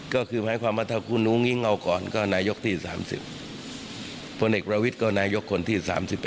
ก็คือหมายความว่าถ้าคุณอุ้งอิงเอาก่อนก็นายกที่๓๐พลเอกประวิทย์ก็นายกคนที่๓๑